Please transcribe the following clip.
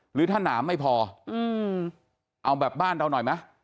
หรือถ้าหนามไม่พอเอาแบบบ้านเราหน่อยไหม